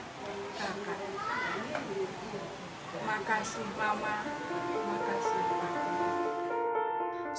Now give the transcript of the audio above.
terima kasih mama terima kasih pak